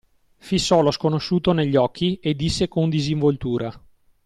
Fissò lo sconosciuto negli occhi e disse con disinvoltura.